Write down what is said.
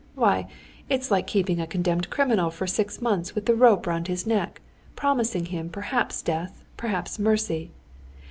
Why, it's like keeping a condemned criminal for six months with the rope round his neck, promising him perhaps death, perhaps mercy.